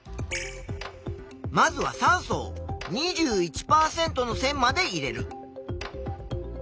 まずは酸素を２１％の線まで入れる。